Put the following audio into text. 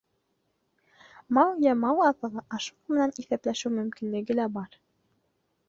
Мал йә мал аҙығы, ашлыҡ менән иҫәпләшеү мөмкинлеге лә бар.